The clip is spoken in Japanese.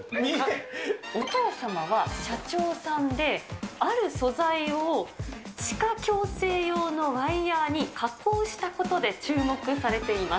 お父様は社長さんで、ある素材を歯科矯正用のワイヤに加工したことで注目されています。